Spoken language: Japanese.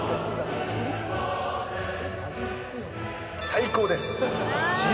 最高です。